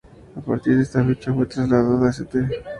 A partir de esta fecha fue trasladada a St.